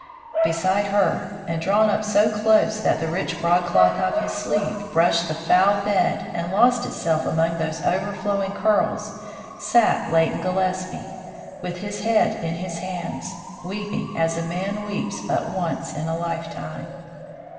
Beside her, and drawn up so close that the rich broadcloth of his sleeve brushed the foul bed and lost itself among those overflowing curls, sat Leighton Gillespie, with his head in his hands, weeping as a man weeps but once in a lifetime.